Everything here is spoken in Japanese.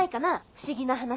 不思議な話。